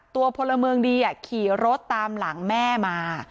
ตัวพลเมิงดีอะขี่รถตามหลังแม่มา